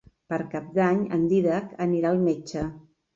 Per Cap d'Any en Dídac anirà al metge.